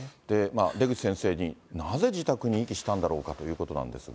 出口先生に、なぜ自宅に遺棄したんだろうかということなんですが。